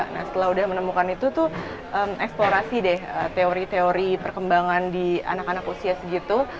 nah setelah udah menemukan itu tuh eksplorasi deh teori teori perkembangan di anak anak usia segitu